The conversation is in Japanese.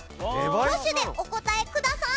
挙手でお答えください。